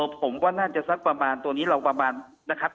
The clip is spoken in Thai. ผมว่าน่าจะสักประมาณตัวนี้เราประมาณนะครับ